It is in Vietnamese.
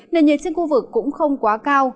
nền nhiệt trên khu vực cũng không quá cao